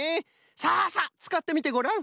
さあさあつかってみてごらん。